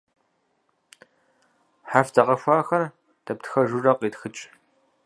Хьэрф дэгъэхуахэр дэптхэжурэ къитхыкӏ.